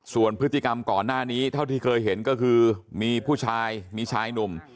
ส่วนพฤติกรรมก่อนหน้านี้เท่าที่เคยเห็นก็คือมีผู้ชายมีชายหนุ่ม